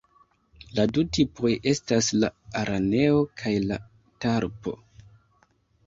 La du tipoj estas la „araneo“ kaj la „talpo“.